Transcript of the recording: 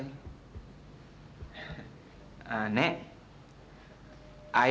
jangan jangan udah berangkat lagi